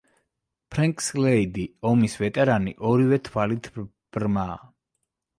ფრენკ სლეიდი, ომის ვეტერანი, ორივე თვალით ბრმაა.